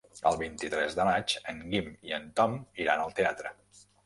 El vint-i-tres de maig en Guim i en Tom iran al teatre.